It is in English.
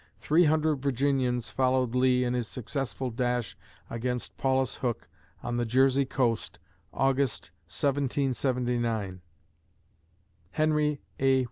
Three hundred Virginians followed Lee in his successful dash against Paulus Hook on the Jersey coast, August, 1779. HENRY A.